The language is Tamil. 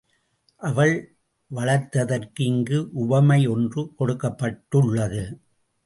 அவள் வளர்த்ததற்கு இங்கு உவமையொன்று கொடுக்கப்பட்டுள்ளது.